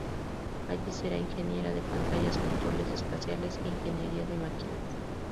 Allí se era ingeniera de pantallas, controles espaciales e ingeniería de máquinas.